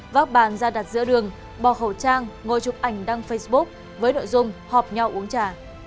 vác bàn ra đặt giữa đường bọ khẩu trang ngồi chụp ảnh đăng facebook với nội dung họp nhau uống trà